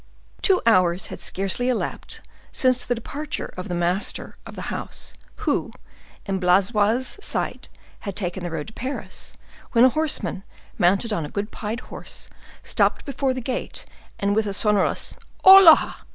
Two hours had scarcely elapsed since the departure of the master of the house, who, in Blaisois's sight, had taken the road to Paris, when a horseman, mounted on a good pied horse, stopped before the gate, and with a sonorous "hola!"